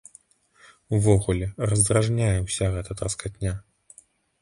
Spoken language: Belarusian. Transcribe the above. Увогуле, раздражняе ўся гэта траскатня.